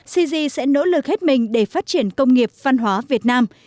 cg sẽ nỗ lực hết mình để phát triển công nghiệp văn hóa việt nam